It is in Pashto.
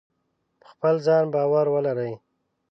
په خپل ځان باور ولرئ.